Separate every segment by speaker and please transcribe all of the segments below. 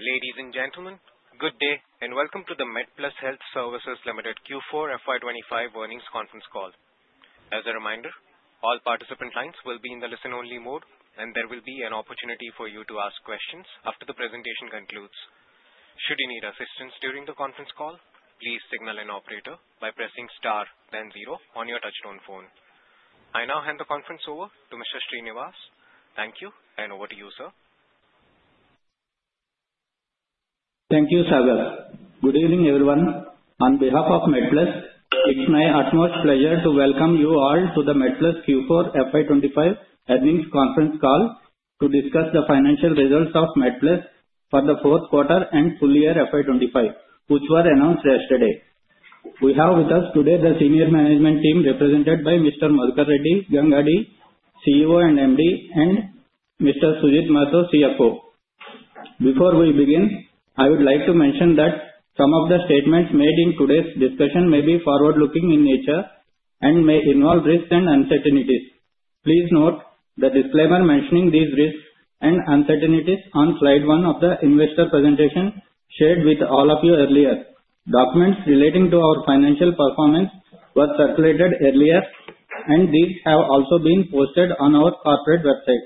Speaker 1: Ladies and gentlemen, good day and welcome to the MedPlus Health Services Limited Q4 FY25 earnings conference call. As a reminder, all participant lines will be in the listen-only mode, and there will be an opportunity for you to ask questions after the presentation concludes. Should you need assistance during the conference call, please signal an operator by pressing star, then zero on your touch-tone phone. I now hand the conference over to Mr. Srinivas. Thank you, and over to you, sir.
Speaker 2: Thank you, Sagar. Good evening, everyone. On behalf of MedPlus, it's my utmost pleasure to welcome you all to the MedPlus Q4 FY25 earnings conference call to discuss the financial results of MedPlus for the fourth quarter and full year FY25, which were announced yesterday. We have with us today the senior management team represented by Mr. Madhukar Reddy Gangadi, CEO and MD, and Mr. Sujit Mahato, CFO. Before we begin, I would like to mention that some of the statements made in today's discussion may be forward-looking in nature and may involve risks and uncertainties. Please note the disclaimer mentioning these risks and uncertainties on slide one of the investor presentation shared with all of you earlier. Documents relating to our financial performance were circulated earlier, and these have also been posted on our corporate website.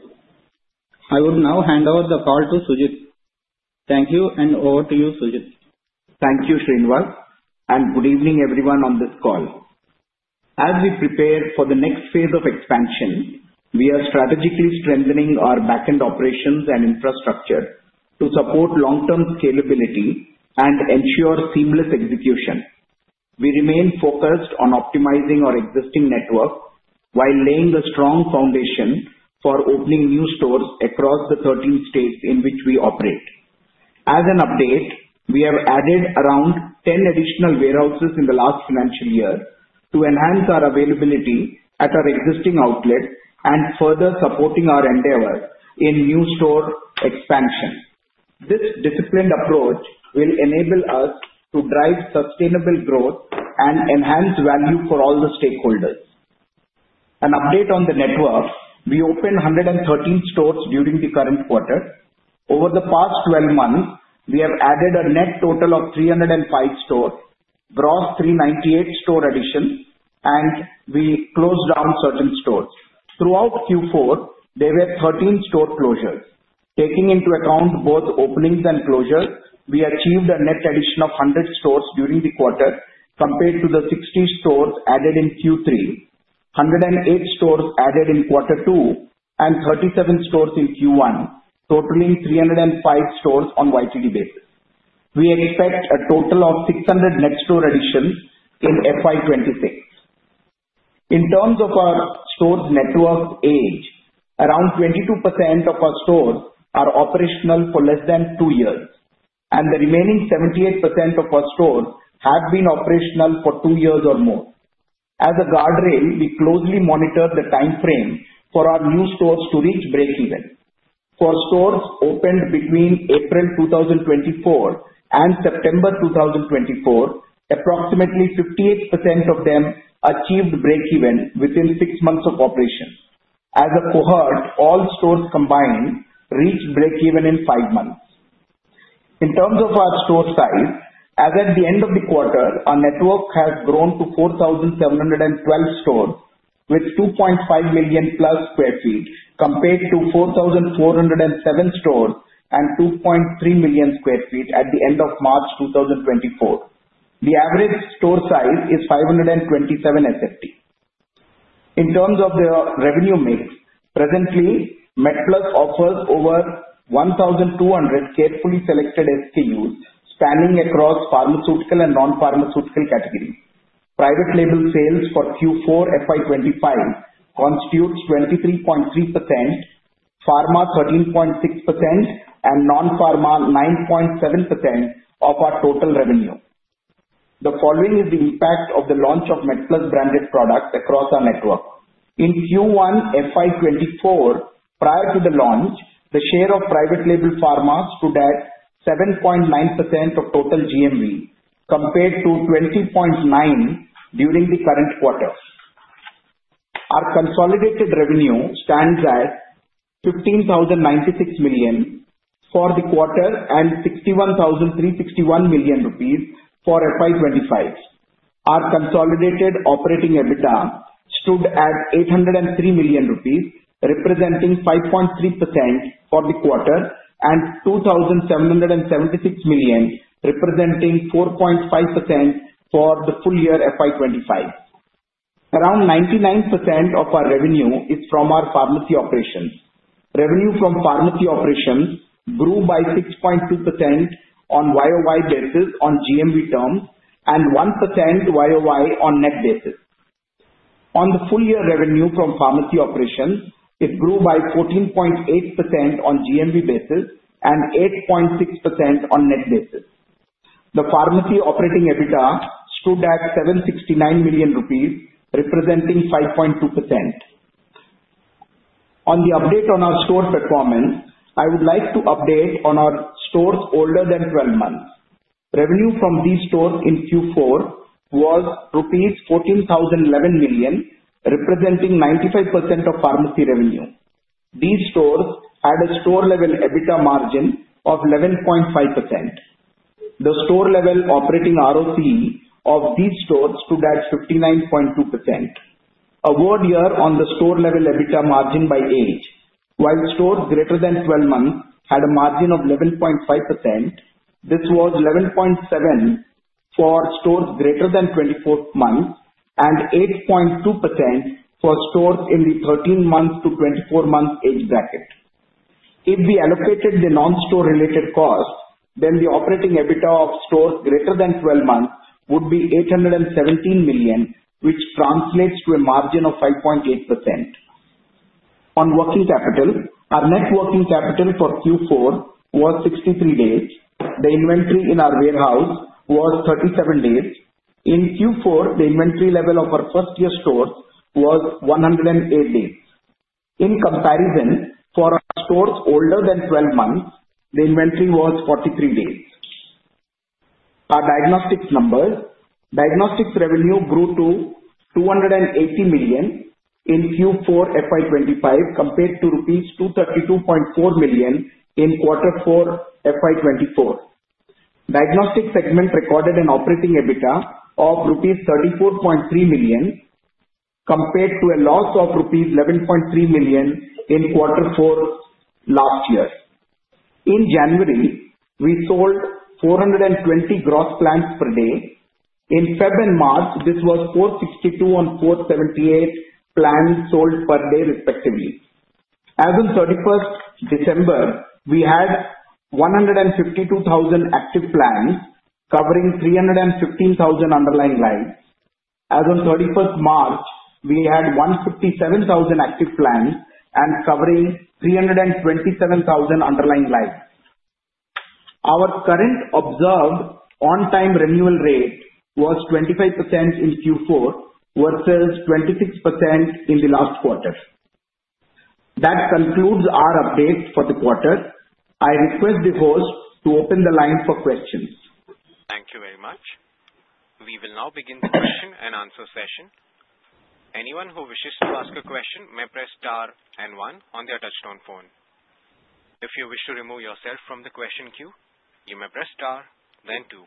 Speaker 2: I would now hand over the call to Sujit. Thank you, and over to you, Sujit.
Speaker 3: Thank you, Srinivas, and good evening, everyone, on this call. As we prepare for the next phase of expansion, we are strategically strengthening our backend operations and infrastructure to support long-term scalability and ensure seamless execution. We remain focused on optimizing our existing network while laying a strong foundation for opening new stores across the 13 states in which we operate. As an update, we have added around 10 additional warehouses in the last financial year to enhance our availability at our existing outlet and further supporting our endeavor in new store expansion. This disciplined approach will enable us to drive sustainable growth and enhance value for all the stakeholders. An update on the network: we opened 113 stores during the current quarter. Over the past 12 months, we have added a net total of 305 stores, gross 398 store additions, and we closed down certain stores. Throughout Q4, there were 13 store closures. Taking into account both openings and closures, we achieved a net addition of 100 stores during the quarter compared to the 60 stores added in Q3, 108 stores added in quarter two, and 37 stores in Q1, totaling 305 stores on a YTD basis. We expect a total of 600 net store additions in FY26. In terms of our stores' network age, around 22% of our stores are operational for less than two years, and the remaining 78% of our stores have been operational for two years or more. As a guardrail, we closely monitor the time frame for our new stores to reach break-even. For stores opened between April 2024 and September 2024, approximately 58% of them achieved break-even within six months of operation. As a cohort, all stores combined reached break-even in five months. In terms of our store size, as at the end of the quarter, our network has grown to 4,712 stores with 2.5 million plus sq ft compared to 4,407 stores and 2.3 million sq ft at the end of March 2024. The average store size is 527 sq ft. In terms of the revenue mix, presently, MedPlus offers over 1,200 carefully selected SKUs spanning across pharmaceutical and non-pharmaceutical categories. Private label sales for Q4 FY25 constitute 23.3%, pharma 13.6%, and non-pharma 9.7% of our total revenue. The following is the impact of the launch of MedPlus branded products across our network. In Q1 FY24, prior to the launch, the share of private label pharmas stood at 7.9% of total GMV compared to 20.9% during the current quarter. Our consolidated revenue stands at 15,096 million for the quarter and 61,361 million rupees for FY25. Our consolidated operating EBITDA stood at 803 million rupees, representing 5.3% for the quarter and 2,776 million representing 4.5% for the full year FY25. Around 99% of our revenue is from our pharmacy operations. Revenue from pharmacy operations grew by 6.2% on YOY basis on GMV terms and 1% YoY on net basis. On the full year revenue from pharmacy operations, it grew by 14.8% on GMV basis and 8.6% on net basis. The pharmacy operating EBITDA stood at 769 million rupees, representing 5.2%. On the update on our store performance, I would like to update on our stores older than 12 months. Revenue from these stores in Q4 was rupees 14,011 million, representing 95% of pharmacy revenue. These stores had a store-level EBITDA margin of 11.5%. The store-level operating ROC of these stores stood at 59.2%. A word here on the store-level EBITDA margin by age. While stores greater than 12 months had a margin of 11.5%, this was 11.7% for stores greater than 24 months and 8.2% for stores in the 13-month to 24-month age bracket. If we allocated the non-store-related cost, then the operating EBITDA of stores greater than 12 months would be 817 million, which translates to a margin of 5.8%. On working capital, our net working capital for Q4 was 63 days. The inventory in our warehouse was 37 days. In Q4, the inventory level of our first-year stores was 108 days. In comparison, for our stores older than 12 months, the inventory was 43 days. Our diagnostics numbers: Diagnostics revenue grew to 280 million in Q4 FY25 compared to rupees 232.4 million in quarter four FY24. Diagnostics segment recorded an operating EBITDA of rupees 34.3 million compared to a loss of rupees 11.3 million in quarter four last year. In January, we sold 420 gross plants per day. In February and March, this was 462 and 478 plants sold per day, respectively. As of 31st December, we had 152,000 active plants covering 315,000 underlying lines. As of 31st March, we had 157,000 active plants and covering 327,000 underlying lines. Our current observed on-time renewal rate was 25% in Q4 versus 26% in the last quarter. That concludes our update for the quarter. I request the host to open the line for questions.
Speaker 1: Thank you very much. We will now begin the question-and-answer session. Anyone who wishes to ask a question may press star and one on their touch-tone phone. If you wish to remove yourself from the question queue, you may press star, then two.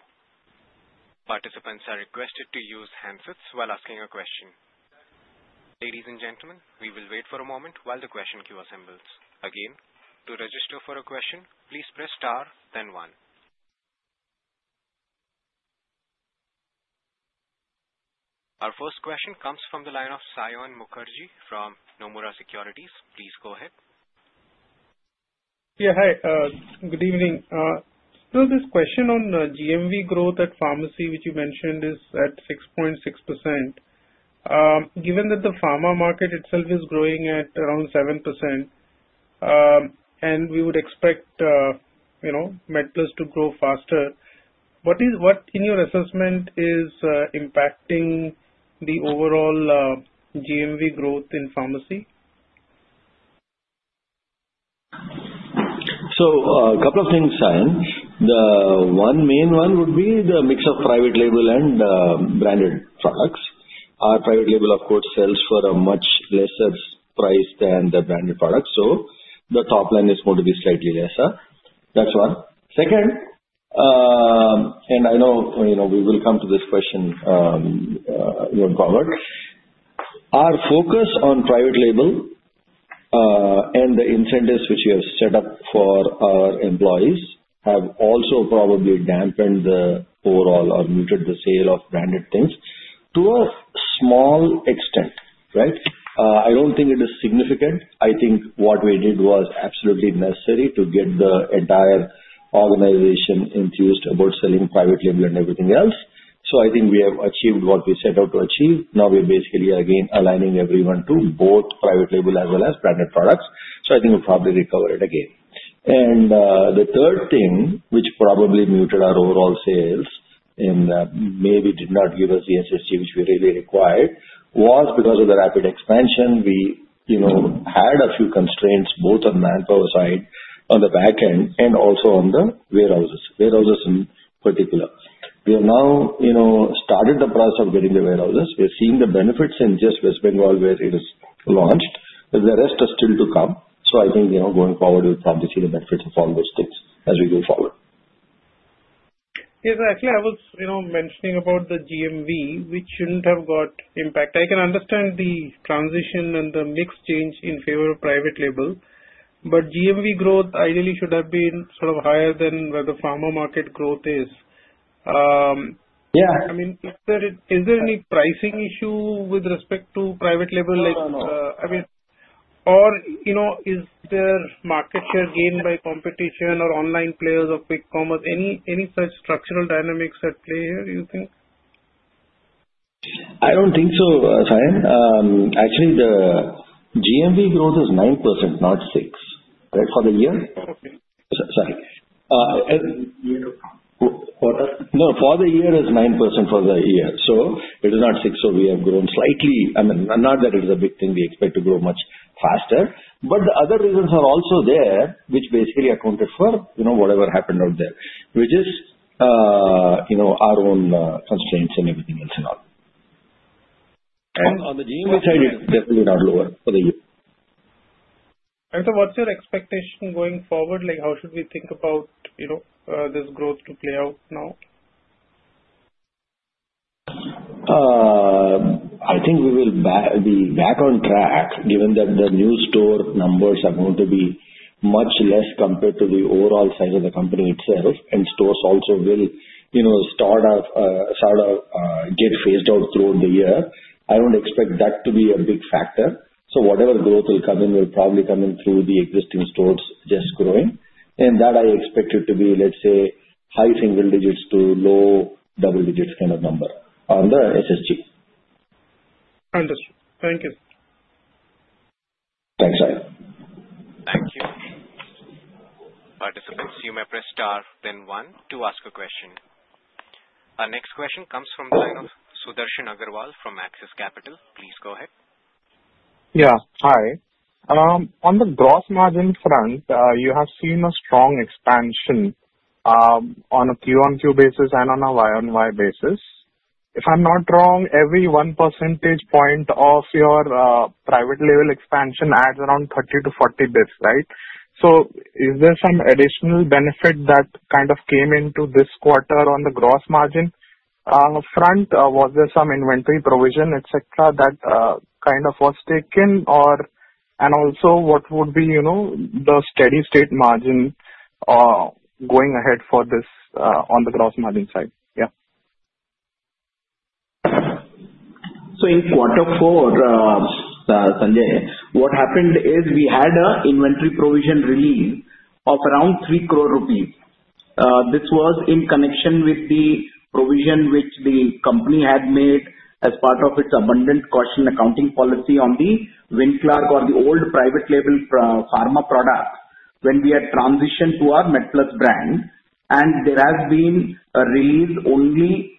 Speaker 1: Participants are requested to use handsets while asking a question. Ladies and gentlemen, we will wait for a moment while the question queue assembles. Again, to register for a question, please press star, then one. Our first question comes from the line of Saion Mukherjee from Nomura Securities. Please go ahead.
Speaker 4: Yeah, hi. Good evening. Still, this question on GMV growth at pharmacy, which you mentioned, is at 6.6%. Given that the pharma market itself is growing at around 7%, and we would expect MedPlus to grow faster, what in your assessment is impacting the overall GMV growth in pharmacy?
Speaker 5: So a couple of things, Saion. The one main one would be the mix of private label and branded products. Our private label, of course, sells for a much lesser price than the branded products, so the top line is going to be slightly lesser. That's one. Second, and I know we will come to this question going forward, our focus on private label and the incentives which we have set up for our employees have also probably dampened the overall or muted the sale of branded things to a small extent, right? I don't think it is significant. I think what we did was absolutely necessary to get the entire organization enthused about selling private label and everything else. So I think we have achieved what we set out to achieve. Now we're basically, again, aligning everyone to both private label as well as branded products. So, I think we'll probably recover it again. And the third thing, which probably muted our overall sales and maybe did not give us the SSG which we really required, was because of the rapid expansion. We had a few constraints both on the manpower side on the backend and also on the warehouses, warehouses in particular. We have now started the process of getting the warehouses. We're seeing the benefits in just West Bengal where it is launched. The rest are still to come. So, I think going forward, we'll probably see the benefits of all those things as we go forward.
Speaker 4: Yeah, exactly. I was mentioning about the GMV, which shouldn't have got impact. I can understand the transition and the mix change in favor of private label, but GMV growth ideally should have been sort of higher than where the pharma market growth is. I mean, is there any pricing issue with respect to private label? I mean, or is there market share gained by competition or online players or big pharma? Any such structural dynamics at play here, do you think?
Speaker 5: I don't think so, Saion. Actually, the GMV growth is 9%, not 6%, right, for the year? Sorry. No, for the year is 9% for the year, so it is not 6%, so we have grown slightly. I mean, not that it is a big thing. We expect to grow much faster, but the other reasons are also there, which basically accounted for whatever happened out there, which is our own constraints and everything else and all. On the GMV side, it's definitely not lower for the year.
Speaker 6: What's your expectation going forward? How should we think about this growth to play out now?
Speaker 5: I think we will be back on track given that the new store numbers are going to be much less compared to the overall size of the company itself, and stores also will sort of get phased out throughout the year. I don't expect that to be a big factor. So whatever growth will come in will probably come in through the existing stores just growing. And that I expect it to be, let's say, high single digits to low double digits kind of number on the SSG.
Speaker 4: Understood. Thank you.
Speaker 5: Thanks, Saion.
Speaker 1: Thank you. Participants, you may press star, then one, to ask a question. Our next question comes from the line of Sudarshan Agarwal from Axis Capital. Please go ahead.
Speaker 7: Yeah, hi. On the gross margin front, you have seen a strong expansion on a Q-on-Q basis and on a Y-on-Y basis. If I'm not wrong, every one percentage point of your private label expansion adds around 30-40 basis points, right? So is there some additional benefit that kind of came into this quarter on the gross margin front? Was there some inventory provision, etc., that kind of was taken? And also, what would be the steady-state margin going ahead for this on the gross margin side? Yeah.
Speaker 3: In quarter four, Sanjay, what happened is we had an inventory provision release of around 3 crore rupees. This was in connection with the provision which the company had made as part of its abundant caution accounting policy on the Wynclark or the old private label pharma product when we had transitioned to our MedPlus brand. There has been a release only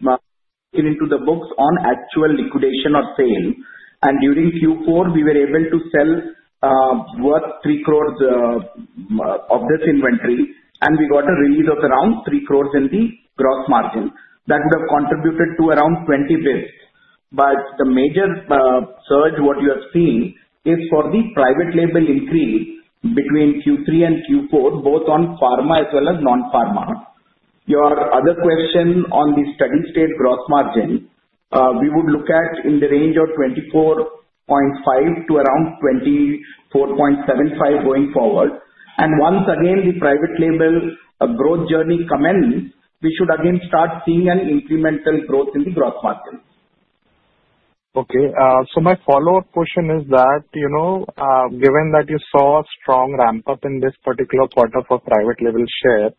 Speaker 3: into the books on actual liquidation or sale. During Q4, we were able to sell worth 3 crore of this inventory, and we got a release of around 3 crore in the gross margin. That would have contributed to around 20 basis points. The major surge, what you have seen, is for the private label increase between Q3 and Q4, both on pharma as well as non-pharma. Your other question on the steady-state gross margin, we would look at in the range of 24.5% to around 24.75% going forward, and once again, the private label growth journey commences, we should again start seeing an incremental growth in the gross margin.
Speaker 7: Okay. So my follow-up question is that given that you saw a strong ramp-up in this particular quarter for private label share,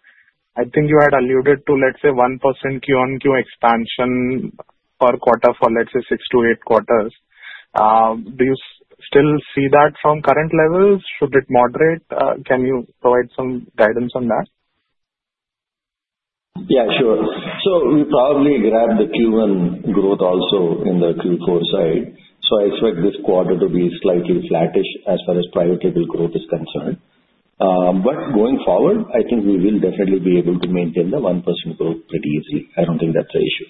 Speaker 7: I think you had alluded to, let's say, 1% Q-on-Q expansion per quarter for, let's say, six to eight quarters. Do you still see that from current levels? Should it moderate? Can you provide some guidance on that?
Speaker 5: Yeah, sure. So we probably grabbed the Q1 growth also in the Q4 side. So I expect this quarter to be slightly flattish as far as private label growth is concerned. But going forward, I think we will definitely be able to maintain the 1% growth pretty easily. I don't think that's an issue.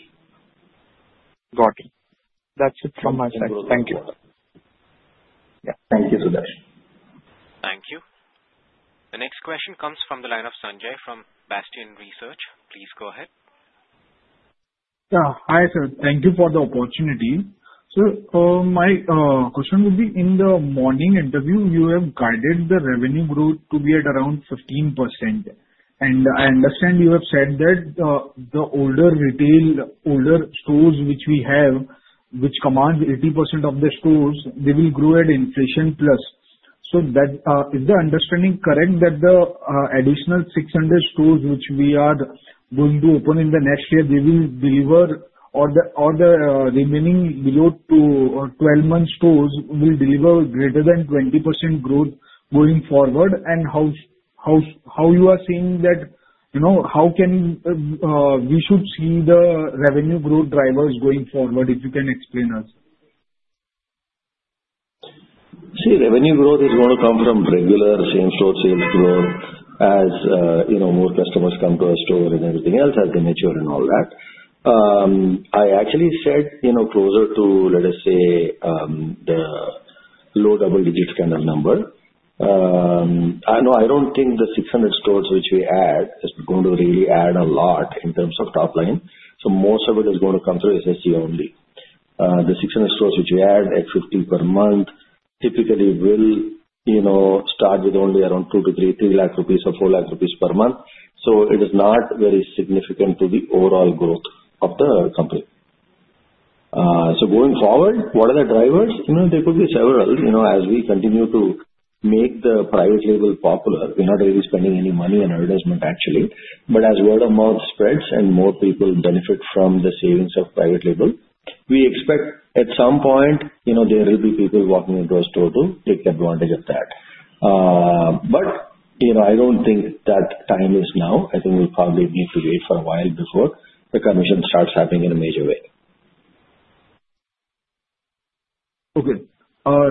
Speaker 7: Got it. That's it from my side. Thank you.
Speaker 5: Yeah. Thank you, Sudarshan.
Speaker 1: Thank you. The next question comes from the line of Sanjay from Bastion Research. Please go ahead.
Speaker 8: Yeah. Hi, sir. Thank you for the opportunity. So my question would be, in the morning interview, you have guided the revenue growth to be at around 15%. And I understand you have said that the older retail stores which we have, which command 80% of the stores, they will grow at inflation plus. So is the understanding correct that the additional 600 stores which we are going to open in the next year, they will deliver, or the remaining below 12-month stores will deliver greater than 20% growth going forward? And how you are seeing that? How can we should see the revenue growth drivers going forward, if you can explain us?
Speaker 5: See, revenue growth is going to come from regular same-store sales growth as more customers come to our store and everything else has been matured and all that. I actually said closer to, let us say, the low double digits kind of number. No, I don't think the 600 stores which we add is going to really add a lot in terms of top line. So most of it is going to come through SSG only. The 600 stores which we add at 50 per month typically will start with only around 2 to 3 lakh rupees or 4 lakh rupees per month. So it is not very significant to the overall growth of the company. So going forward, what are the drivers? There could be several. As we continue to make the private label popular, we're not really spending any money on advertisement, actually. But as word of mouth spreads and more people benefit from the savings of private label, we expect at some point there will be people walking into our store to take advantage of that. But I don't think that time is now. I think we'll probably need to wait for a while before the commission starts happening in a major way.
Speaker 8: Okay.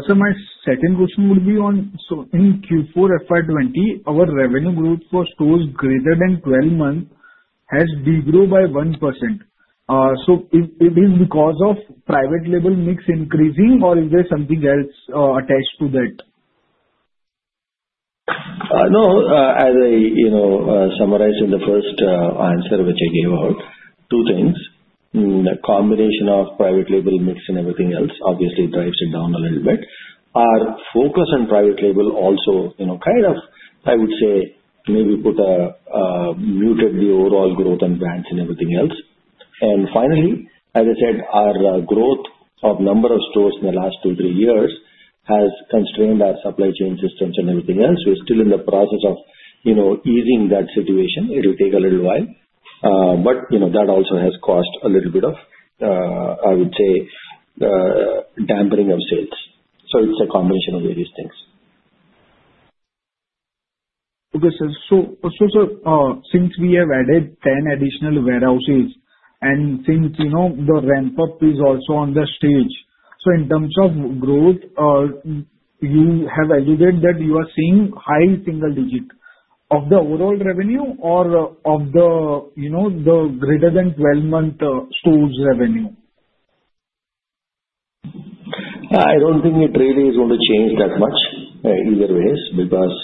Speaker 8: So my second question would be on, so in Q4 FY25, our revenue growth for stores greater than 12 months has degrowed by 1%. So is it because of private label mix increasing, or is there something else attached to that?
Speaker 5: No, as I summarized in the first answer, which I gave out, two things. The combination of private label mix and everything else obviously drives it down a little bit. Our focus on private label also kind of, I would say, maybe muted the overall growth and brands and everything else. And finally, as I said, our growth of number of stores in the last two, three years has constrained our supply chain systems and everything else. We're still in the process of easing that situation. It will take a little while. But that also has caused a little bit of, I would say, dampening of sales. So it's a combination of various things.
Speaker 8: Okay, sir. So since we have added 10 additional warehouses and since the ramp-up is also on the stage, so in terms of growth, you have alluded that you are seeing high single digit of the overall revenue or of the greater than 12-month stores' revenue?
Speaker 5: I don't think it really is going to change that much either way because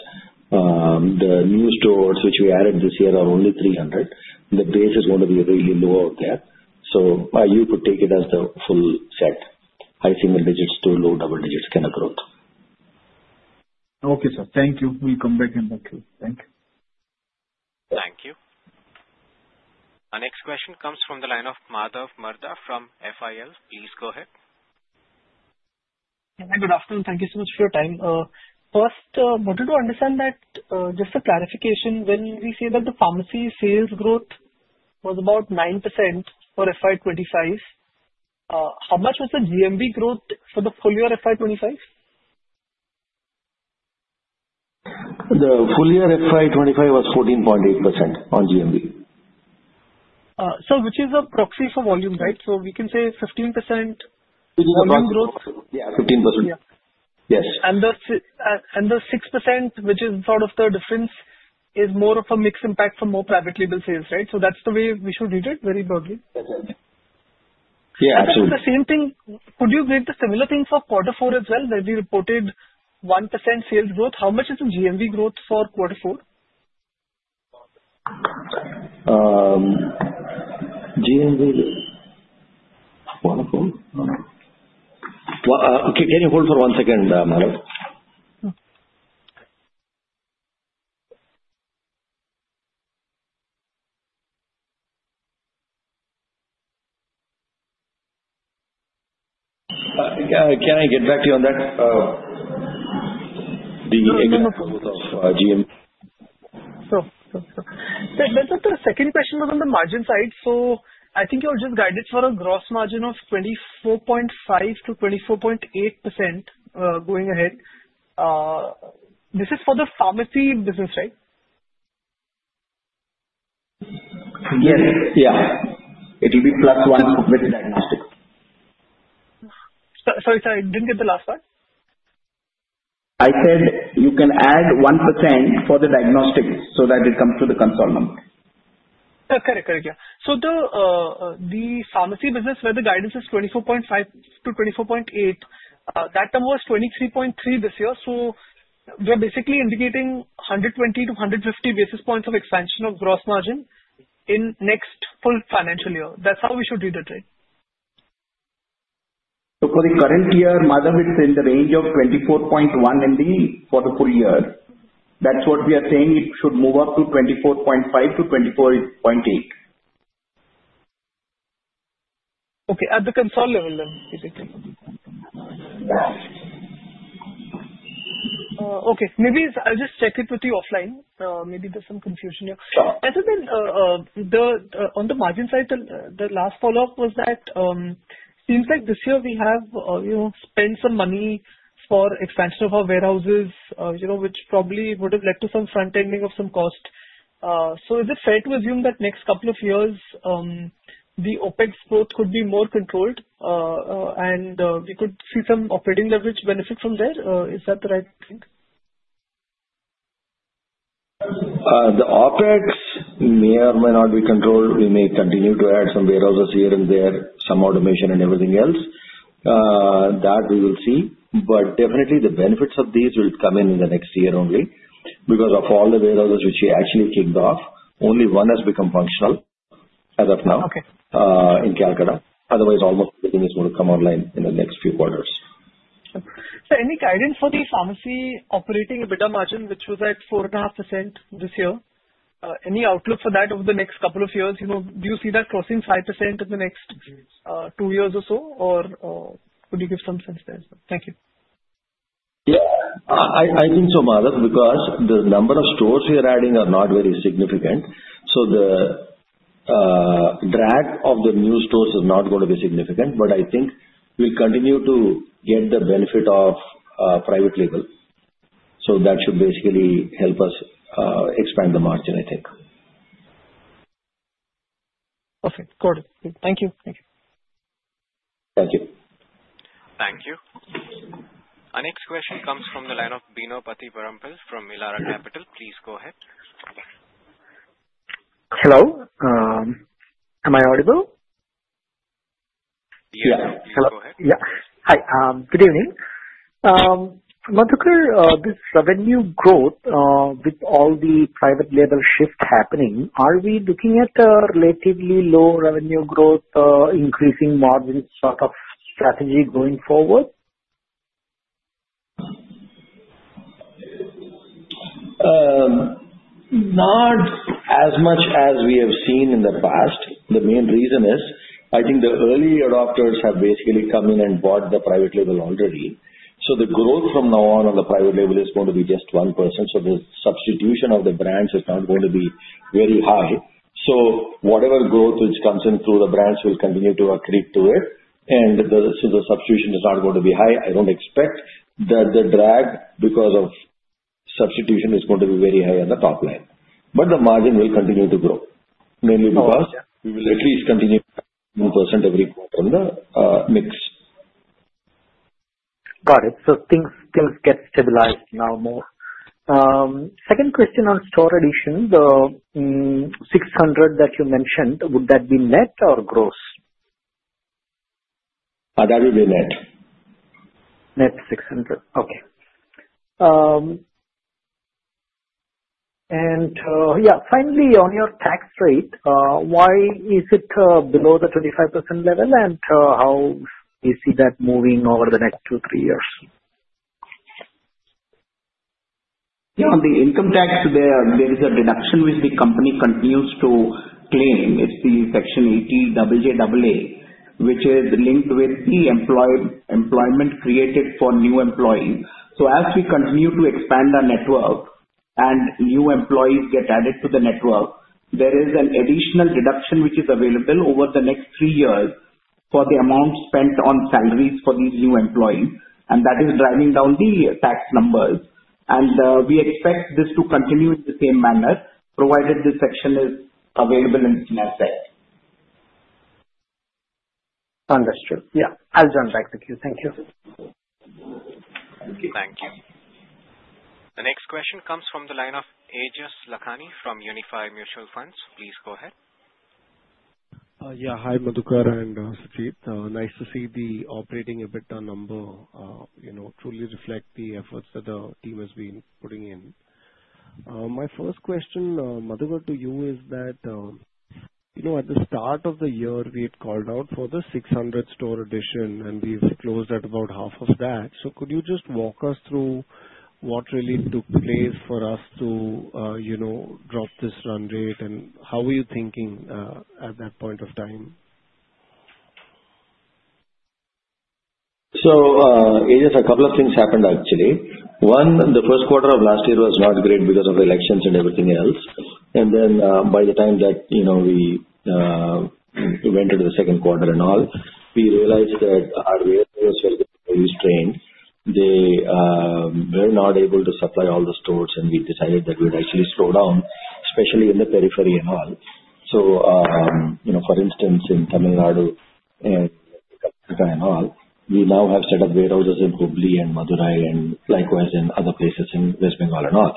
Speaker 5: the new stores which we added this year are only 300. The base is going to be really low out there. So you could take it as the full set, high single digits to low double digits kind of growth.
Speaker 8: Okay, sir. Thank you. We'll come back in that case. Thank you.
Speaker 1: Thank you. Our next question comes from the line of Madhav Marda from FIL. Please go ahead.
Speaker 9: Hi, good afternoon. Thank you so much for your time. First, I wanted to understand that, just a clarification. When we say that the pharmacy sales growth was about 9% for FY25, how much was the GMV growth for the full year FY25?
Speaker 5: The full year FY25 was 14.8% on GMV.
Speaker 9: So which is a proxy for volume, right? So we can say 15% volume growth?
Speaker 5: Yeah, 15%. Yes.
Speaker 9: And the 6%, which is sort of the difference, is more of a mixed impact for more private label sales, right? So that's the way we should read it, very broadly?
Speaker 5: Yeah, absolutely.
Speaker 9: And the same thing, could you read the similar thing for quarter four as well? When we reported 1% sales growth, how much is the GMV growth for quarter four?
Speaker 5: GMV quarter four? Can you hold for one second, Madhav? Can I get back to you on that? The growth of GMV.
Speaker 9: Sure. So just the second question was on the margin side. So I think you all just guided for a gross margin of 24.5%-24.8% going ahead. This is for the pharmacy business, right?
Speaker 3: Yes. Yeah. It will be plus one with diagnostics.
Speaker 9: Sorry, sorry. I didn't get the last part.
Speaker 3: I said you can add 1% for the diagnostics so that it comes to the consultant.
Speaker 9: Correct. Correct. Yeah. So the pharmacy business where the guidance is 24.5%-24.8%, that number was 23.3% this year. So we are basically indicating 120-150 basis points of expansion of gross margin in next full financial year. That's how we should read it, right?
Speaker 3: So for the current year, Madhav, it's in the range of 24.1% in the quarter full year. That's what we are saying it should move up to 24.5%-24.8%.
Speaker 9: Okay. At the consultant level then, basically. Okay. Maybe I'll just check it with you offline. Maybe there's some confusion here. Other than on the margin side, the last follow-up was that it seems like this year we have spent some money for expansion of our warehouses, which probably would have led to some front-ending of some cost. So is it fair to assume that next couple of years the OpEx growth could be more controlled and we could see some operating leverage benefit from there? Is that the right thing?
Speaker 5: The OpEx may or may not be controlled. We may continue to add some warehouses here and there, some automation and everything else. That we will see. But definitely, the benefits of these will come in the next year only because of all the warehouses which we actually kicked off. Only one has become functional as of now in Calcutta. Otherwise, almost everything is going to come online in the next few quarters.
Speaker 9: So any guidance for the pharmacy operating EBITDA margin, which was at 4.5% this year? Any outlook for that over the next couple of years? Do you see that crossing 5% in the next two years or so? Or could you give some sense there? Thank you.
Speaker 5: Yeah. I think so, Madhav, because the number of stores we are adding are not very significant. So the drag of the new stores is not going to be significant. But I think we'll continue to get the benefit of private label. So that should basically help us expand the margin, I think.
Speaker 9: Perfect. Got it. Thank you. Thank you.
Speaker 5: Thank you.
Speaker 1: Thank you. Our next question comes from the line of Bino Pathiparampil from Elara Capital. Please go ahead.
Speaker 10: Hello. Am I audible?
Speaker 1: Yes.
Speaker 10: Yeah.
Speaker 1: Hello.
Speaker 10: Yeah. Hi. Good evening. Madhav, this revenue growth with all the private label shift happening, are we looking at a relatively low revenue growth, increasing margin sort of strategy going forward?
Speaker 5: Not as much as we have seen in the past. The main reason is I think the early adopters have basically come in and bought the private label already, so the growth from now on the private label is going to be just 1%. So the substitution of the brands is not going to be very high, so whatever growth which comes in through the brands will continue to accrete to it, and so the substitution is not going to be high. I don't expect that the drag because of substitution is going to be very high on the top line, but the margin will continue to grow, mainly because we will at least continue to have 1% every quarter on the mix.
Speaker 10: Got it. So things get stabilized now more. Second question on store addition, the 600 that you mentioned, would that be net or gross?
Speaker 5: That will be net.
Speaker 10: Net 600. Okay. And yeah, finally, on your tax rate, why is it below the 25% level? And how do you see that moving over the next two, three years?
Speaker 3: Yeah. On the income tax, there is a deduction which the company continues to claim. It's the Section 80JJAA, which is linked with the employment created for new employees. So as we continue to expand our network and new employees get added to the network, there is an additional deduction which is available over the next three years for the amount spent on salaries for these new employees. And that is driving down the tax numbers. And we expect this to continue in the same manner, provided this section is available in the Act.
Speaker 10: Understood. Yeah. I'll jump back to queue. Thank you.
Speaker 1: Thank you. The next question comes from the line of Aejas Lakhani from Unifi Capital. Please go ahead.
Speaker 11: Yeah. Hi, Madhukar and Sujit. Nice to see the operating EBITDA number truly reflect the efforts that the team has been putting in. My first question, Madhukar, to you is that at the start of the year, we had called out for the 600 store addition, and we've closed at about half of that. So could you just walk us through what really took place for us to drop this run rate? And how were you thinking at that point of time?
Speaker 5: So Aejas, a couple of things happened, actually. One, the first quarter of last year was not great because of elections and everything else. And then by the time that we went into the second quarter and all, we realized that our warehouses were getting very strained. They were not able to supply all the stores, and we decided that we would actually slow down, especially in the periphery and all. So for instance, in Tamil Nadu and Calcutta and all, we now have set up warehouses in Hubli and Madurai and likewise in other places in West Bengal and all.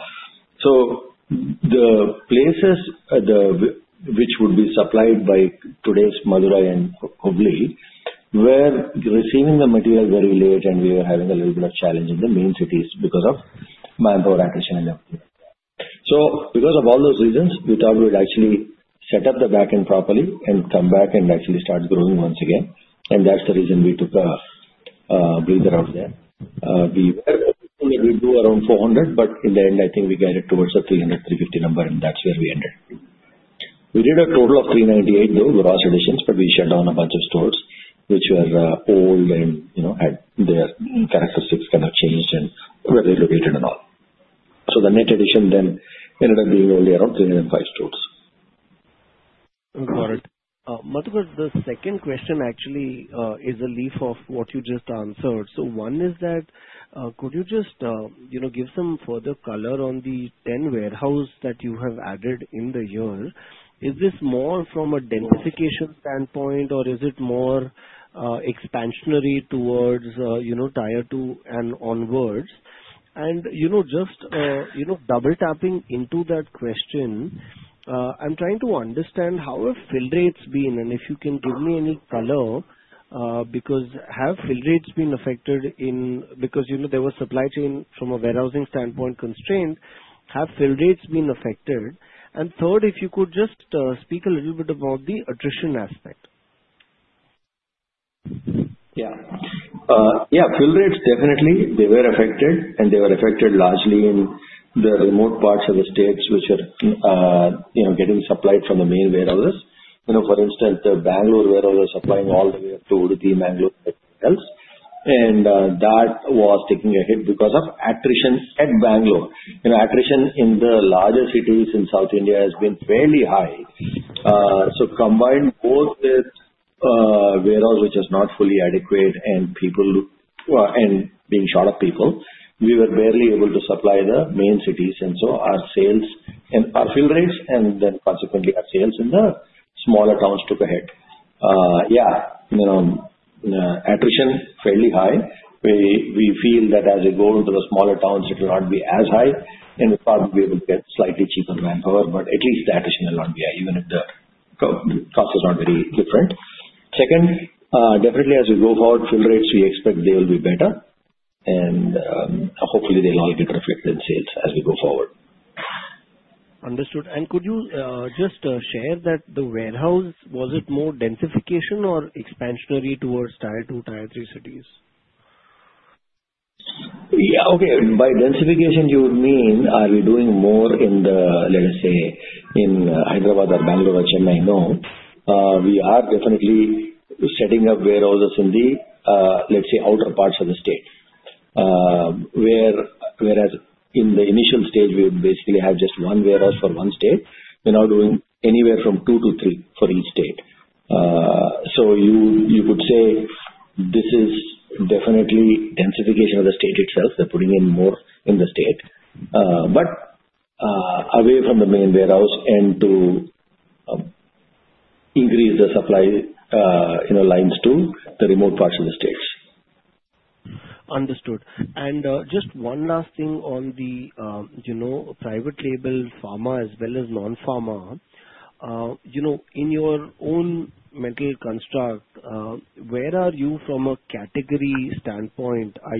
Speaker 5: So the places which would be supplied by today's Madurai and Hubli were receiving the material very late, and we were having a little bit of challenge in the main cities because of manpower attrition and everything. So because of all those reasons, we thought we would actually set up the back end properly and come back and actually start growing once again. And that's the reason we took a breather out there. We were hoping that we'd do around 400, but in the end, I think we got it towards the 300, 350 number, and that's where we ended up. We did a total of 398, though, gross additions, but we shut down a bunch of stores which were old and had their characteristics kind of changed and relocated and all. So the net addition then ended up being only around 305 stores.
Speaker 11: Got it. Madhukar, the second question actually is a riff off of what you just answered. So one is that could you just give some further color on the 10 warehouses that you have added in the year? Is this more from a densification standpoint, or is it more expansionary towards tier two and onwards? And just double-tapping into that question, I'm trying to understand how have fill rates been, and if you can give me any color because have fill rates been affected because there was supply chain from a warehousing standpoint constraint, have fill rates been affected? And third, if you could just speak a little bit about the attrition aspect.
Speaker 5: Yeah. Yeah. Fill rates, definitely, they were affected, and they were affected largely in the remote parts of the states which are getting supplied from the main warehouses. For instance, the Bangalore warehouse was supplying all the way up to Udupi, Mangaluru, and that was taking a hit because of attrition at Bengaluru. Attrition in the larger cities in South India has been fairly high. So combined both with warehouse which is not fully adequate and being short of people, we were barely able to supply the main cities. And so our sales and our fill rates, and then consequently, our sales in the smaller towns took a hit. Yeah. Attrition, fairly high. We feel that as we go into the smaller towns, it will not be as high, and we'll probably be able to get slightly cheaper manpower, but at least the attrition will not be high, even if the cost is not very different. Second, definitely, as we go forward, fill rates, we expect they will be better, and hopefully, they'll all get reflected in sales as we go forward.
Speaker 11: Understood. And could you just share that the warehouse, was it more densification or expansionary towards tier II, tier III cities?
Speaker 5: Yeah. Okay. By densification, you would mean, are we doing more in the, let us say, in Hyderabad or Bengaluru, Chennai? No. We are definitely setting up warehouses in the, let's say, outer parts of the state, whereas in the initial stage, we would basically have just one warehouse for one state. We're now doing anywhere from two to three for each state. So you could say this is definitely densification of the state itself. They're putting in more in the state, but away from the main warehouse and to increase the supply lines to the remote parts of the states.
Speaker 11: Understood. And just one last thing on the private label pharma as well as non-pharma. In your own mental construct, where are you from a category standpoint? Are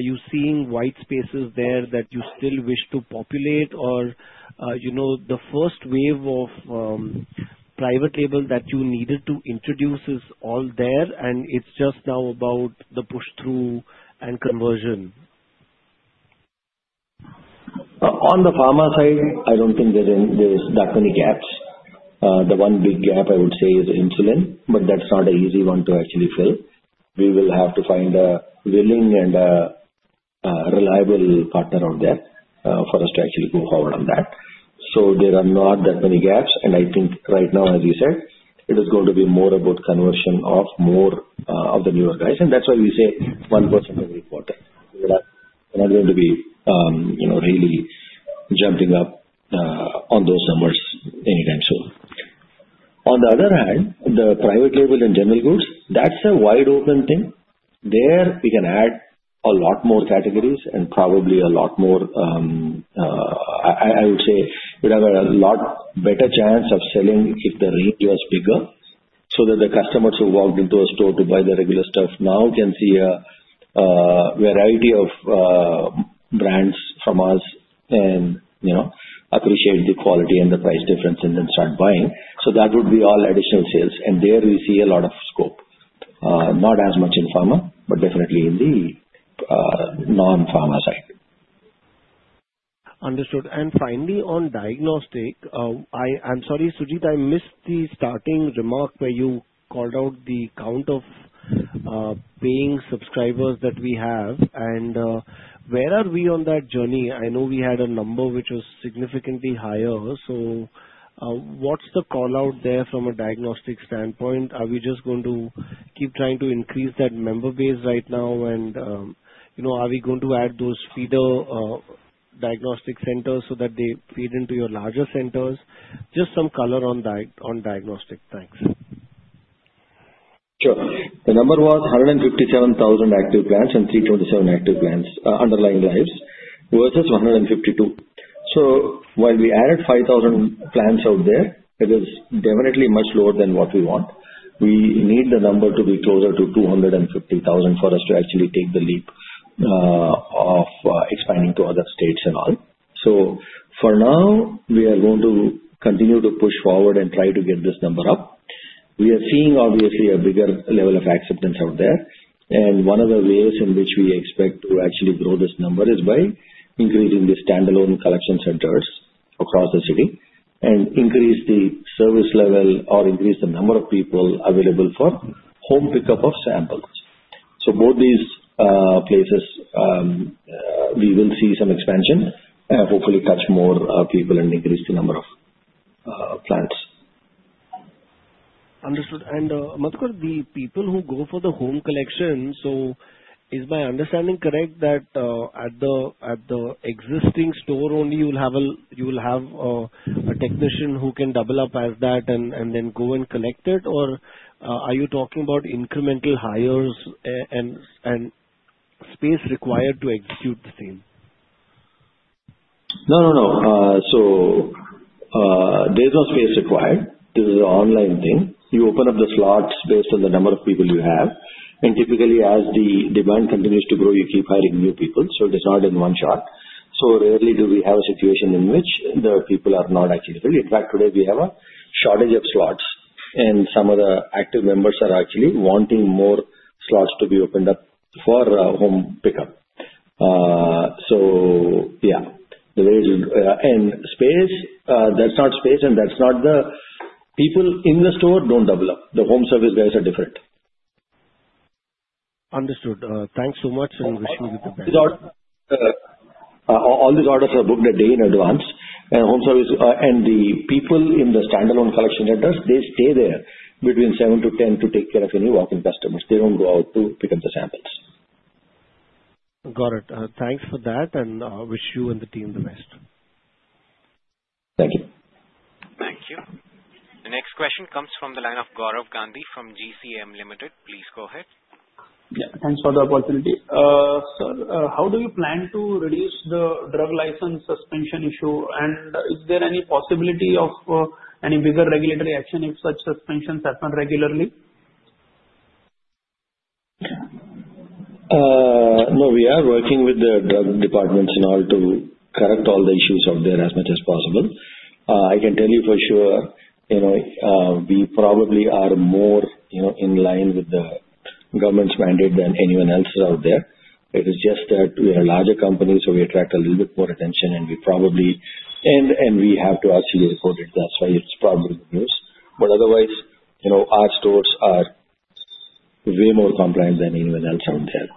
Speaker 11: you seeing white spaces there that you still wish to populate? Or the first wave of private label that you needed to introduce is all there, and it's just now about the push through and conversion?
Speaker 5: On the pharma side, I don't think there's that many gaps. The one big gap, I would say, is insulin, but that's not an easy one to actually fill. We will have to find a willing and a reliable partner out there for us to actually go forward on that. So there are not that many gaps. And I think right now, as you said, it is going to be more about conversion of more of the newer guys. And that's why we say 1% every quarter. We're not going to be really jumping up on those numbers anytime soon. On the other hand, the private label and general goods, that's a wide-open thing. There we can add a lot more categories and probably a lot more. I would say, we'd have a lot better chance of selling if the range was bigger so that the customers who walked into a store to buy the regular stuff now can see a variety of brands from us and appreciate the quality and the price difference and then start buying. So that would be all additional sales. And there we see a lot of scope, not as much in pharma, but definitely in the non-pharma side.
Speaker 11: Understood. And finally, on diagnostics, I'm sorry, Sujit, I missed the starting remark where you called out the count of paying subscribers that we have. And where are we on that journey? I know we had a number which was significantly higher. So what's the callout there from a diagnostics standpoint? Are we just going to keep trying to increase that member base right now? And are we going to add those feeder diagnostics centers so that they feed into your larger centers? Just some color on diagnostics. Thanks.
Speaker 5: Sure. The number was 157,000 active patients and 327 active underlying labs versus 152. So while we added 5,000 patients out there, it is definitely much lower than what we want. We need the number to be closer to 250,000 for us to actually take the leap of expanding to other states and all. So for now, we are going to continue to push forward and try to get this number up. We are seeing, obviously, a bigger level of acceptance out there. And one of the ways in which we expect to actually grow this number is by increasing the standalone collection centers across the city and increase the service level or increase the number of people available for home pickup of samples. So both these places, we will see some expansion and hopefully touch more people and increase the number of patients.
Speaker 11: Understood. And Madhukar, the people who go for the home collection, so is my understanding correct that at the existing store only, you will have a technician who can double up as that and then go and collect it? Or are you talking about incremental hires and space required to execute the same?
Speaker 5: No, no, no. So there's no space required. This is an online thing. You open up the slots based on the number of people you have. And typically, as the demand continues to grow, you keep hiring new people. So it is not in one shot. So rarely do we have a situation in which the people are not actually filled. In fact, today, we have a shortage of slots, and some of the active members are actually wanting more slots to be opened up for home pickup. So yeah. And space, that's not space, and that's not the people in the store don't double up. The home service guys are different.
Speaker 11: Understood. Thanks so much, and wish you the best.
Speaker 5: All these orders are booked a day in advance. And the people in the standalone collection centers, they stay there between 7:00 A.M. to 10:00 A.M. to take care of any walk-in customers. They don't go out to pick up the samples.
Speaker 11: Got it. Thanks for that, and wish you and the team the best.
Speaker 5: Thank you.
Speaker 1: Thank you. The next question comes from the line of Gaurav Gandhi from GCM Limited. Please go ahead.
Speaker 12: Yeah. Thanks for the opportunity. Sir, how do you plan to reduce the drug license suspension issue? And is there any possibility of any bigger regulatory action if such suspensions happen regularly?
Speaker 5: No, we are working with the drug departments and all to correct all the issues out there as much as possible. I can tell you for sure, we probably are more in line with the government's mandate than anyone else out there. It is just that we are a larger company, so we attract a little bit more attention, and we probably - and we have to RCA report it. That's why it's probably the news. But otherwise, our stores are way more compliant than anyone else out there.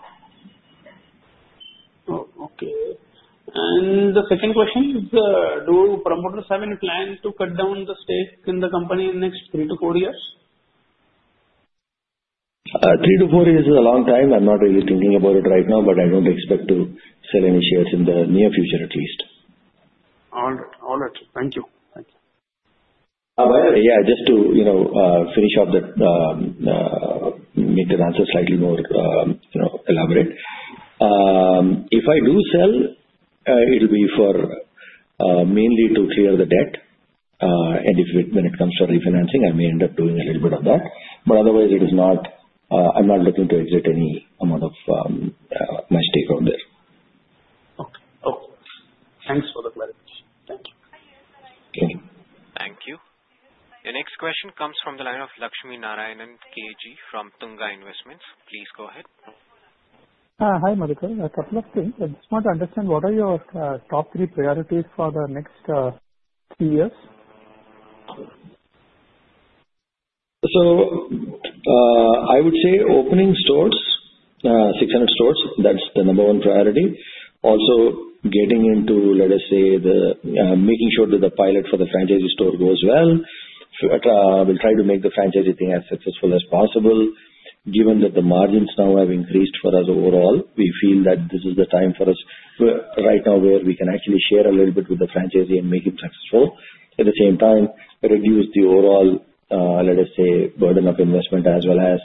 Speaker 12: Okay. And the second question is, do promoters have any plan to cut down the stake in the company in the next three-to-four years?
Speaker 5: Three to four years is a long time. I'm not really thinking about it right now, but I don't expect to sell any shares in the near future, at least.
Speaker 12: All right. All right. Thank you. Thank you.
Speaker 5: By the way, yeah, just to finish up that, make the answer slightly more elaborate. If I do sell, it will be mainly to clear the debt. And when it comes to refinancing, I may end up doing a little bit of that. But otherwise, I'm not looking to exit any amount of my stake out there.
Speaker 12: Okay. Okay. Thanks for the clarification. Thank you.
Speaker 5: Thank you.
Speaker 1: Thank you. The next question comes from the line of Lakshmi Narayanan K G from Tunga Investments. Please go ahead.
Speaker 13: Hi, Madhukar. A couple of things. I just want to understand, what are your top three priorities for the next three years?
Speaker 5: I would say opening stores, 600 stores. That's the number one priority. Also getting into, let us say, making sure that the pilot for the franchisee store goes well. We'll try to make the franchisee thing as successful as possible. Given that the margins now have increased for us overall, we feel that this is the time for us right now where we can actually share a little bit with the franchisee and make it successful. At the same time, reduce the overall, let us say, burden of investment as well as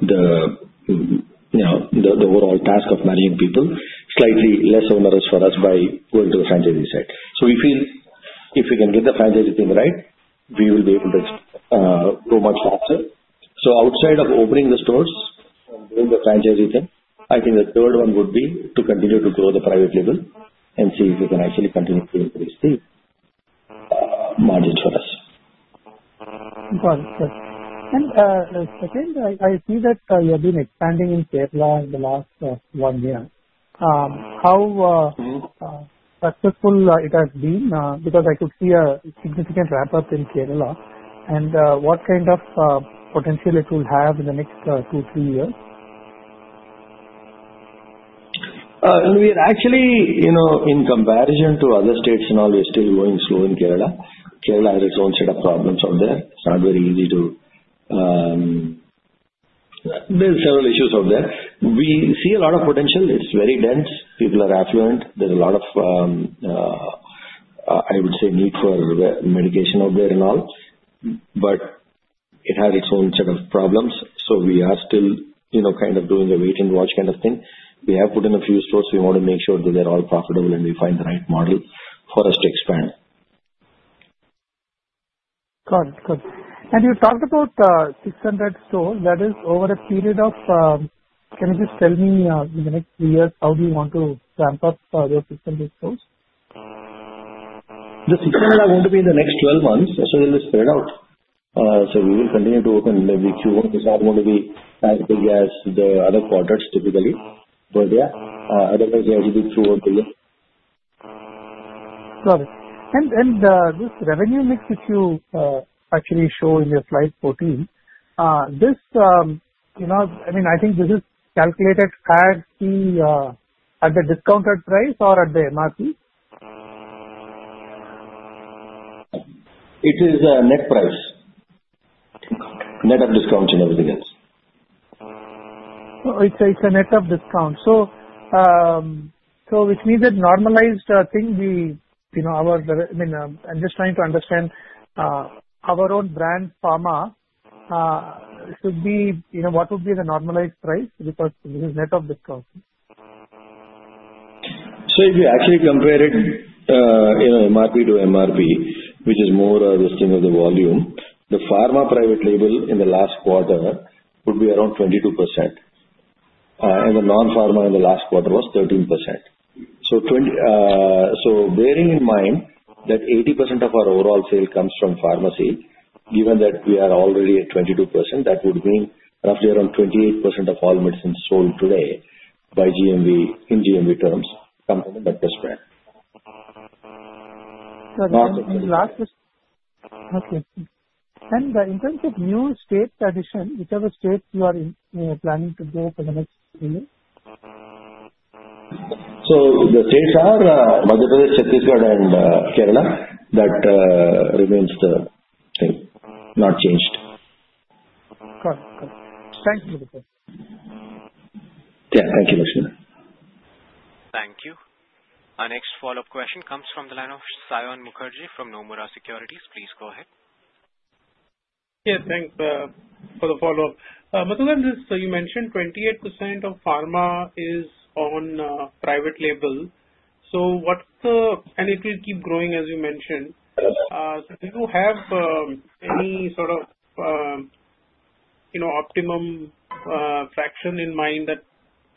Speaker 5: the overall task of hiring people, slightly less onerous for us by going to the franchisee side. So we feel if we can get the franchisee thing right, we will be able to grow much faster. So outside of opening the stores and doing the franchisee thing, I think the third one would be to continue to grow the private label and see if we can actually continue to increase the margins for us.
Speaker 13: Good. Good. And second, I see that you have been expanding in Kerala in the last one year. How successful it has been? Because I could see a significant ramp-up in Kerala. And what kind of potential it will have in the next two, three years?
Speaker 5: Actually, in comparison to other states and all, we're still going slow in Kerala. Kerala has its own set of problems out there. It's not very easy. There are several issues out there. We see a lot of potential. It's very dense. People are affluent. There's a lot of, I would say, need for medication out there and all. But it has its own set of problems. So we are still kind of doing a wait-and-watch kind of thing. We have put in a few stores. We want to make sure that they're all profitable and we find the right model for us to expand.
Speaker 13: Good. Good. And you talked about 600 stores. That is over a period of. Can you just tell me in the next three years how do you want to ramp up those 600 stores?
Speaker 5: The 600 are going to be in the next 12 months. So they'll be spread out. So we will continue to open every Q1. It's not going to be as big as the other quarters, typically. But yeah, otherwise, we'll be through all the year.
Speaker 13: Got it. And this revenue mix that you actually show in your slide 14, I mean, I think this is calculated at the discounted price or at the MRP?
Speaker 5: It is net price, net of discounts and everything else.
Speaker 13: It's a net of discount. So which means that normalized thing—I mean, I'm just trying to understand our own brand pharma should be—what would be the normalized price because this is net of discounts?
Speaker 5: So if you actually compare it, MRP to MRP, which is more of this thing of the volume, the pharma private label in the last quarter would be around 22%. And the non-pharma in the last quarter was 13%. So bearing in mind that 80% of our overall sale comes from pharmacy, given that we are already at 22%, that would mean roughly around 28% of all medicines sold today by GMV in GMV terms come from the branded.
Speaker 13: Okay. Last question. Okay. And in terms of new state addition, whichever states you are planning to go for the next three years?
Speaker 5: So the states are Madhya Pradesh, Chhattisgarh, and Kerala. That remains the thing, not changed.
Speaker 13: Got it. Got it. Thanks, Madhukar.
Speaker 5: Yeah. Thank you, Lakshmi.
Speaker 1: Thank you. Our next follow-up question comes from the line of Saion Mukherjee from Nomura Securities. Please go ahead.
Speaker 4: Yeah. Thanks for the follow-up. Madhukar, so you mentioned 28% of pharma is on private label. And it will keep growing, as you mentioned. Do you have any sort of optimum fraction in mind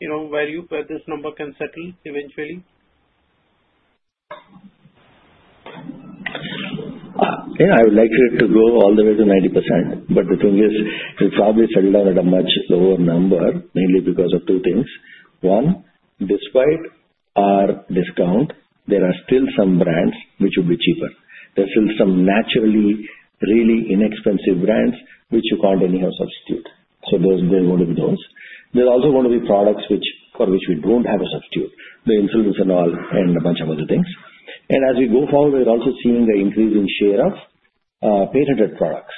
Speaker 4: where this number can settle eventually?
Speaker 5: Yeah. I would like it to go all the way to 90%. But the thing is, it will probably settle down at a much lower number, mainly because of two things. One, despite our discount, there are still some brands which will be cheaper. There's still some naturally, really inexpensive brands which you can't anyhow substitute. So there's going to be those. There's also going to be products for which we don't have a substitute: the insulins and all, and a bunch of other things. And as we go forward, we're also seeing an increasing share of pain-centered products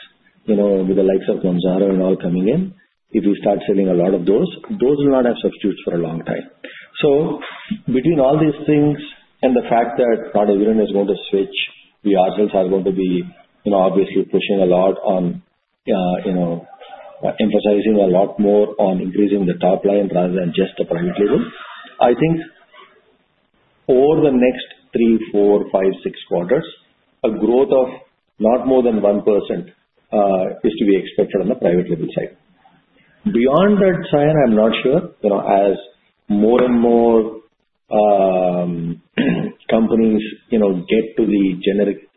Speaker 5: with the likes of Gamsara and all coming in. If we start selling a lot of those, those will not have substitutes for a long time. So between all these things and the fact that not everyone is going to switch, we ourselves are going to be obviously pushing a lot on emphasizing a lot more on increasing the top line rather than just the private label. I think over the next three, four, five, six quarters, a growth of not more than 1% is to be expected on the private label side. Beyond that, Sayan, I'm not sure. As more and more companies get to the generic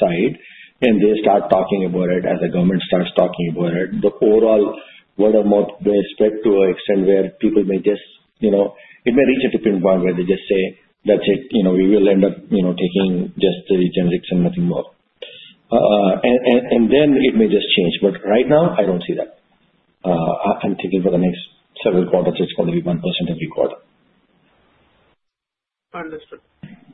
Speaker 5: side and they start talking about it, as the government starts talking about it, the overall word of mouth may spread to an extent where people may just, it may reach a tipping point where they just say, "That's it. We will end up taking just the generics and nothing more," and then it may just change, but right now, I don't see that. I'm thinking for the next several quarters, it's going to be 1% every quarter.
Speaker 4: Understood.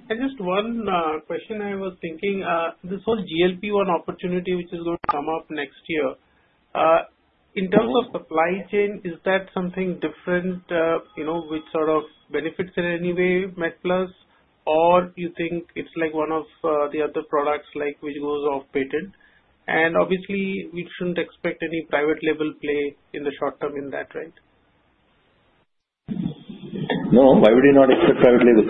Speaker 4: And just one question I was thinking. This whole GLP-1 opportunity, which is going to come up next year, in terms of supply chain, is that something different with sort of benefits in any way, MedPlus? Or you think it's like one of the other products which goes off-patent? And obviously, we shouldn't expect any private label play in the short term in that, right?
Speaker 5: No. Why would you not expect private label?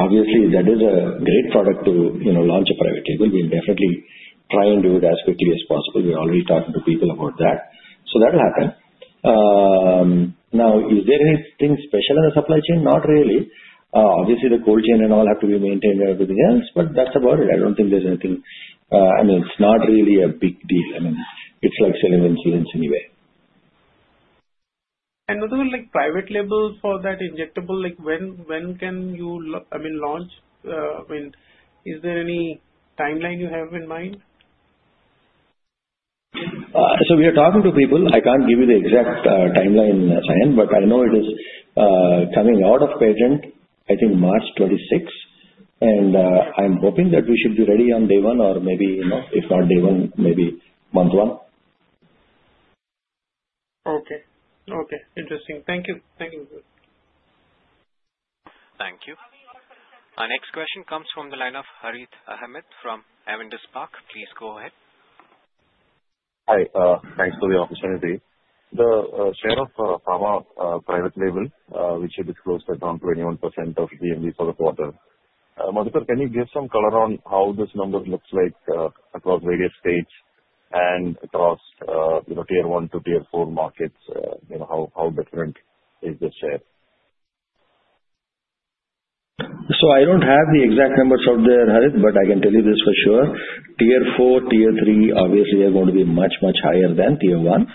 Speaker 5: Obviously, that is a great product to launch a private label. We'll definitely try and do it as quickly as possible. We're already talking to people about that. So that'll happen. Now, is there anything special in the supply chain? Not really. Obviously, the cold chain and all have to be maintained and everything else, but that's about it. I don't think there's anything. I mean, it's not really a big deal. I mean, it's like selling insulins anyway.
Speaker 4: And what about private label for that injectable? When can you, I mean, launch? I mean, is there any timeline you have in mind?
Speaker 5: So we are talking to people. I can't give you the exact timeline, Sayan, but I know it is coming out of patent, I think March 26. And I'm hoping that we should be ready on day one or maybe, if not day one, maybe month one.
Speaker 4: Okay. Okay. Interesting. Thank you. Thank you.
Speaker 1: Thank you. Our next question comes from the line of Harith Ahamed from Avendus Spark. Please go ahead.
Speaker 14: Hi. Thanks for the opportunity. The share of pharma private label, which you disclosed, is down to 21% of GMV for the quarter. Madhukar, can you give some color on how this number looks like across various states and across tier one to tier four markets? How different is the share?
Speaker 5: I don't have the exact numbers out there, Harith, but I can tell you this for sure. Tier IV, tier III, obviously, are going to be much, much higher than tier one.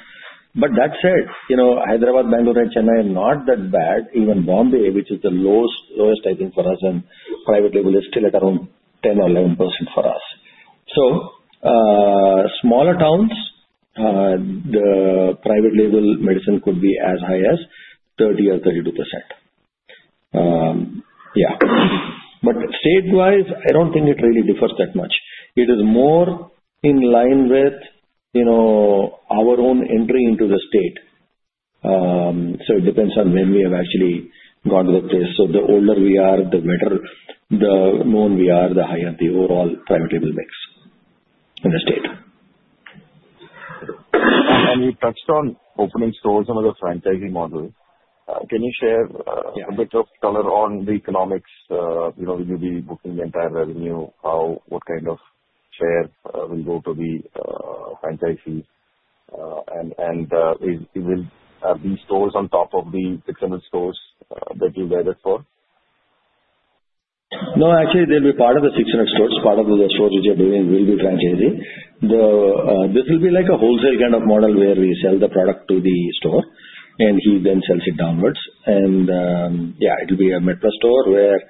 Speaker 5: But that said, Hyderabad, Bangalore, and Chennai are not that bad. Even Bombay, which is the lowest, I think, for us, and private label is still at around 10% or 11% for us. Smaller towns, the private label medicine could be as high as 30% or 32%. Yeah. But state-wise, I don't think it really differs that much. It is more in line with our own entry into the state. It depends on when we have actually gone to the place. The older we are, the better known we are, the higher the overall private label mix in the state.
Speaker 14: You touched on opening stores and other franchisee models. Can you share a bit of color on the economics? Will you be booking the entire revenue? What kind of share will go to the franchisee? And will these stores on top of the 600 stores that you've added so far?
Speaker 5: No. Actually, they'll be part of the 600 stores. Part of the stores which we are doing will be franchisee. This will be like a wholesale kind of model where we sell the product to the store, and he then sells it downwards. Yeah, it'll be a MedPlus store where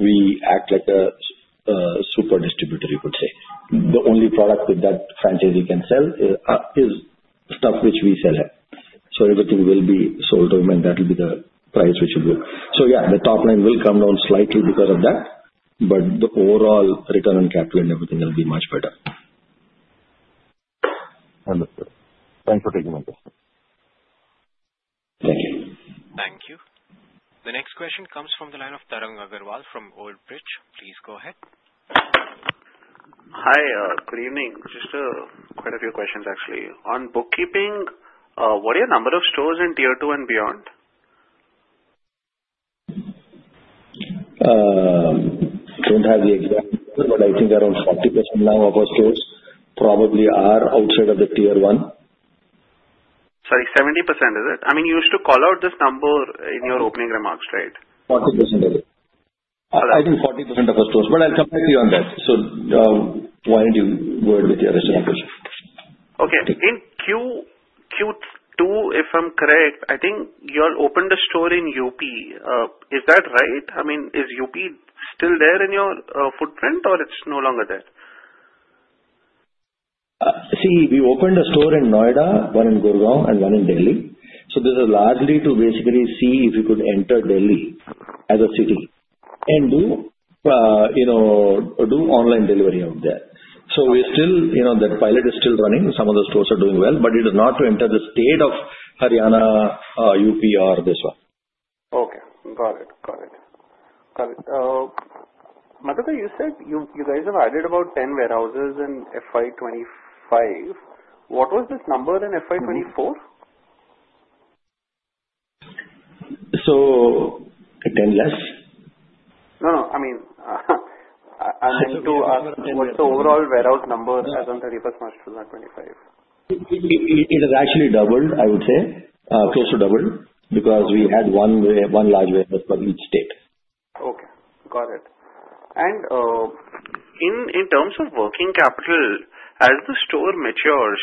Speaker 5: we act like a super distributor, you could say. The only product that that franchisee can sell is stuff which we sell him. So everything will be sold to him, and that'll be the price which will go. Yeah, the top line will come down slightly because of that. The overall return on capital and everything will be much better.
Speaker 14: Wonderful. Thanks for taking my question.
Speaker 5: Thank you.
Speaker 1: Thank you. The next question comes from the line of Tarang Agrawal from Old Bridge. Please go ahead.
Speaker 15: Hi. Good evening. Just quite a few questions, actually. On bookkeeping, what are your number of stores in tier two and beyond?
Speaker 5: Don't have the exact, but I think around 40% now of our stores probably are outside of the tier one.
Speaker 15: Sorry. 70%, is it? I mean, you used to call out this number in your opening remarks, right?
Speaker 5: 40% of it. I think 40% of our stores. But I'll come back to you on that. So why don't you go ahead with your rest of the question?
Speaker 15: Okay. In Q2, if I'm correct, I think you had opened a store in UP. Is that right? I mean, is UP still there in your footprint, or it's no longer there?
Speaker 5: See, we opened a store in Noida, one in Gurgaon, and one in Delhi. So this is largely to basically see if we could enter Delhi as a city and do online delivery out there. So we're still. That pilot is still running. Some of the stores are doing well, but it is not to enter the state of Haryana, UP, or this one.
Speaker 15: Okay. Got it. Got it. Got it. Madhukar, you said you guys have added about 10 warehouses in FY25. What was this number in FY24?
Speaker 5: So 10 less?
Speaker 15: No, no. I mean, I'm trying to ask what's the overall warehouse number as of 31st March 2025?
Speaker 5: It has actually doubled, I would say, close to doubled, because we had one large warehouse for each state.
Speaker 15: Okay. Got it. And in terms of working capital, as the store matures,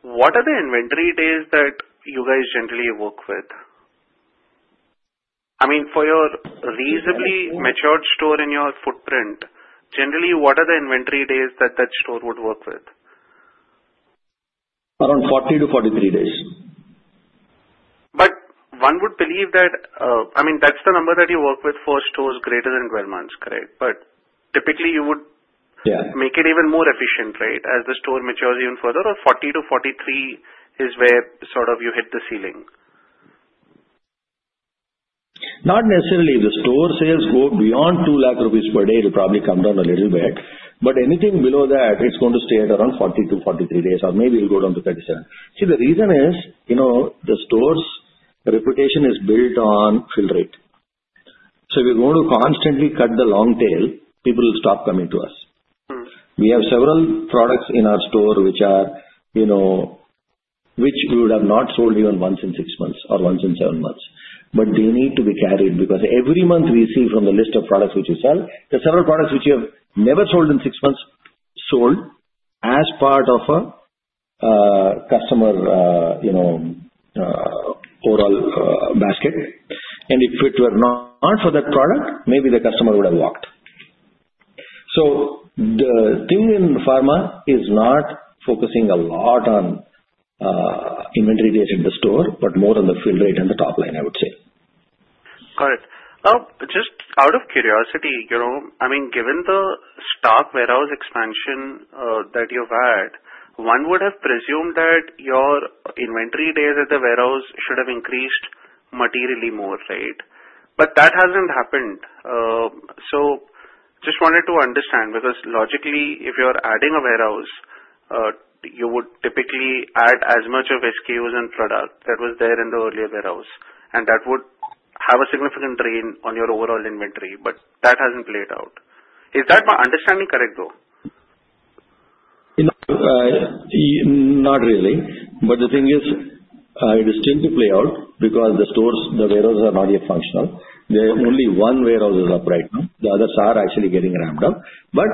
Speaker 15: what are the inventory days that you guys generally work with? I mean, for your reasonably matured store in your footprint, generally, what are the inventory days that that store would work with?
Speaker 5: Around 40-43 days.
Speaker 15: But one would believe that, I mean, that's the number that you work with for stores greater than 12 months, correct? But typically, you would make it even more efficient, right, as the store matures even further? Or 40-43 is where sort of you hit the ceiling?
Speaker 5: Not necessarily. If the store sales go beyond 200,000 rupees per day, it'll probably come down a little bit. But anything below that, it's going to stay at around 40-43 days, or maybe it'll go down to 37. See, the reason is the store's reputation is built on fill rate. So if we're going to constantly cut the long tail, people will stop coming to us. We have several products in our store which we would have not sold even once in six months or once in seven months. But they need to be carried because every month we see from the list of products which you sell, there are several products which you have never sold in six months sold as part of a customer overall basket. And if it were not for that product, maybe the customer would have walked. So the thing in pharma is not focusing a lot on inventory days in the store, but more on the fill rate and the top line, I would say.
Speaker 15: Got it. Now, just out of curiosity, I mean, given the stock warehouse expansion that you've had, one would have presumed that your inventory days at the warehouse should have increased materially more, right? But that hasn't happened. So just wanted to understand because logically, if you're adding a warehouse, you would typically add as much of SKUs and product that was there in the earlier warehouse. And that would have a significant drain on your overall inventory. But that hasn't played out. Is that my understanding correct, though?
Speaker 5: Not really. But the thing is, it is still to play out because the warehouses are not yet functional. There's only one warehouse up right now. The others are actually getting ramped up. But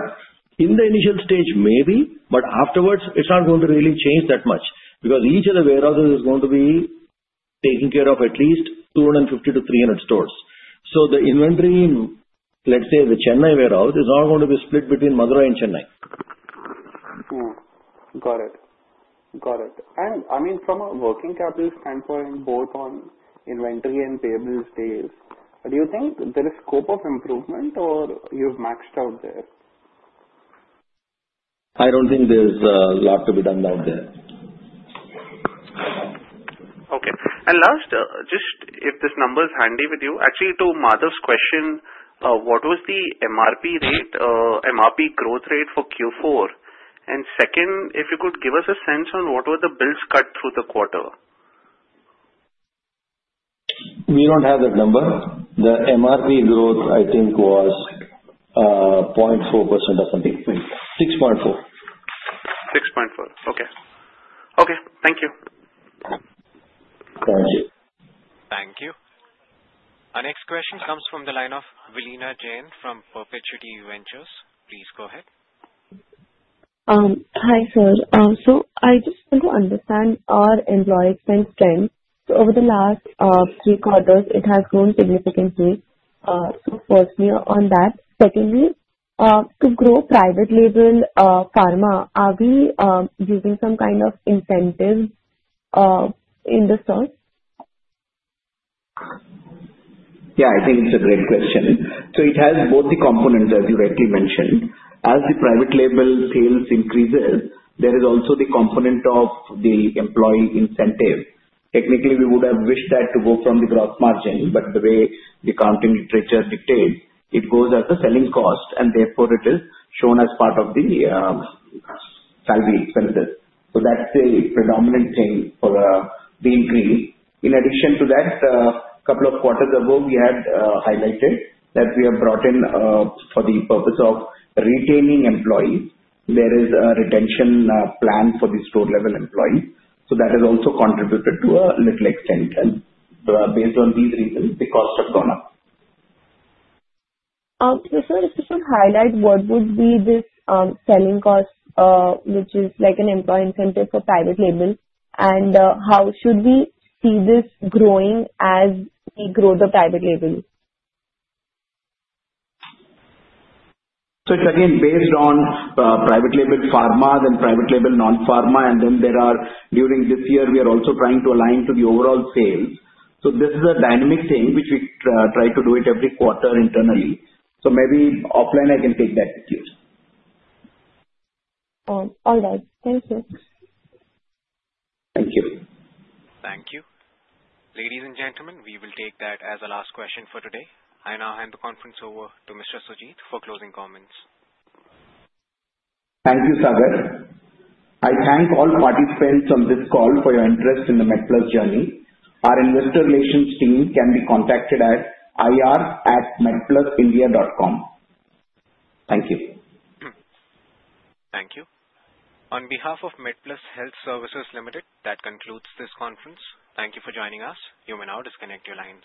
Speaker 5: in the initial stage, maybe. But afterwards, it's not going to really change that much because each of the warehouses is going to be taking care of at least 250-300 stores. So the inventory, let's say the Chennai warehouse, is all going to be split between Madurai and Chennai.
Speaker 15: Got it. Got it. And I mean, from a working capital standpoint, both on inventory and payables days, do you think there is scope of improvement, or you've maxed out there?
Speaker 5: I don't think there's a lot to be done out there.
Speaker 15: Okay. And last, just if this number is handy with you, actually, to Madhu's question, what was the MRP growth rate for Q4? And second, if you could give us a sense on what were the bills cut through the quarter?
Speaker 5: We don't have that number. The MRP growth, I think, was 0.4% or something. 6.4.
Speaker 15: 6.4. Okay. Okay. Thank you.
Speaker 5: Thank you.
Speaker 1: Thank you. Our next question comes from the line of Vilina Jain from Perpetuity Ventures. Please go ahead.
Speaker 16: Hi, sir. I just want to understand our employee expense trend. Over the last three quarters, it has grown significantly. Firstly, on that. Secondly, to grow private label pharma, are we using some kind of incentive in the stores?
Speaker 5: Yeah. I think it's a great question, so it has both the components, as you rightly mentioned. As the private label sales increases, there is also the component of the employee incentive. Technically, we would have wished that to go from the gross margin, but the way the accounting literature dictates, it goes as a selling cost, and therefore, it is shown as part of the salary expenses, so that's the predominant thing for the increase. In addition to that, a couple of quarters ago, we had highlighted that we have brought in, for the purpose of retaining employees, there is a retention plan for the store-level employees, so that has also contributed to a little extent, and based on these reasons, the costs have gone up.
Speaker 16: So just to highlight, what would be this selling cost, which is like an employee incentive for private label? And how should we see this growing as we grow the private label?
Speaker 5: So it's again based on private label pharma and then private label non-pharma. And then there are, during this year, we are also trying to align to the overall sales. So this is a dynamic thing, which we try to do it every quarter internally. So maybe offline, I can take that with you.
Speaker 16: All right. Thank you.
Speaker 5: Thank you.
Speaker 1: Thank you. Ladies and gentlemen, we will take that as a last question for today. I now hand the conference over to Mr. Sujit for closing comments.
Speaker 3: Thank you, Sagar. I thank all participants on this call for your interest in the MedPlus journey. Our investor relations team can be contacted at ir@medplusindia.com. Thank you.
Speaker 1: Thank you. On behalf of MedPlus Health Services Limited, that concludes this conference. Thank you for joining us. You may now disconnect your lines.